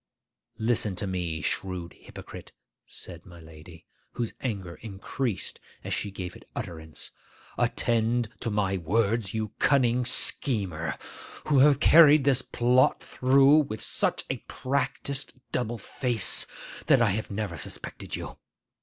'Listen to me, shrewd hypocrite,' said my lady, whose anger increased as she gave it utterance; 'attend to my words, you cunning schemer, who have carried this plot through with such a practised double face that I have never suspected you.